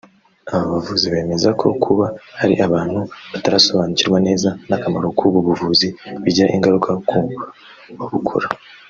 Aba bavuzi bemeza ko kuba hari abantu batarasobanukirwa neza n’akamaro k’ubu buvuzi bigira ingaruka ku babukora